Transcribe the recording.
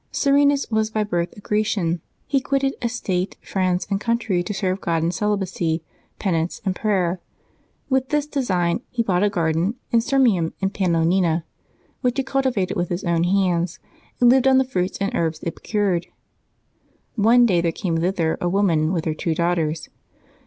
[ERBNUs was by birth a Grecian. He quitted estate, friends, and country to serve God in celibacy, pen ance, and prayer. With this design he bought a garden in Sirminm in Pannonia, which he cultivated with his own hands, and lived on the fruits and herbs it produced. One day there came thither a woman, with her two daughters.